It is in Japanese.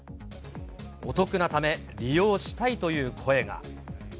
お得なため、利用したいという声が。